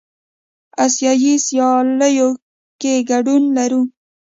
آسیایي سیالیو کې ګډون لرو.